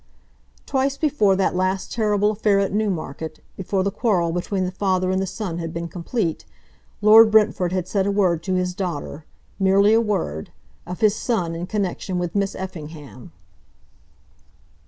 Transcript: Twice before that last terrible affair at Newmarket, before the quarrel between the father and the son had been complete, Lord Brentford had said a word to his daughter, merely a word, of his son in connection with Miss Effingham.